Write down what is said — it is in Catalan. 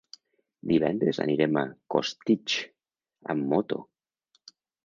Divendres anirem a Costitx amb moto.